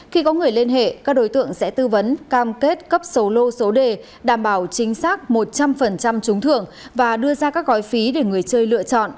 khi có người liên hệ các đối tượng sẽ tư vấn cam kết cấp số lô số đề đảm bảo chính xác một trăm linh trúng thưởng và đưa ra các gói phí để người chơi lựa chọn